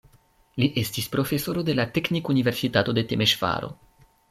Li estis profesoro de la Teknikuniversitato de Temeŝvaro.